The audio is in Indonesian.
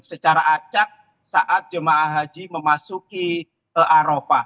secara acak saat jemaah haji memasuki arafah